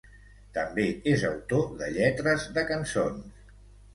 També és autor de lletres de cançons.